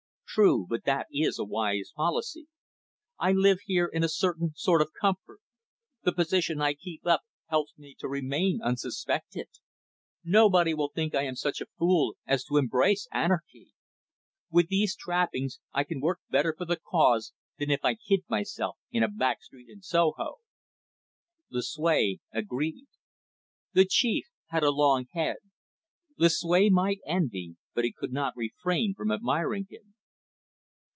True, but that is a wise policy. I live here in a certain sort of comfort. The position I keep up helps me to remain unsuspected. Nobody will think I am such a fool as to embrace anarchy. With these trappings, I can work better for the cause than if I hid myself in a back street in Soho." Lucue agreed. The chief had a long head. Lucue might envy, but he could not refrain from admiring him.